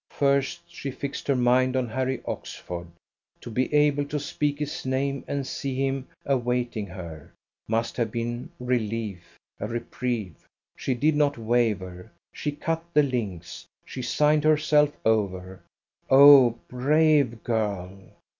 First she fixed her mind on Harry Oxford. To be able to speak his name and see him awaiting her, must have been relief, a reprieve. She did not waver, she cut the links, she signed herself over. Oh, brave girl!